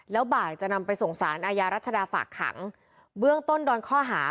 แล้วบ่ายจะนำไปส่งสารอาญารัชดาฝากขังเบื้องต้นดอนข้อหา